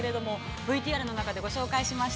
ＶＴＲ中で紹介しました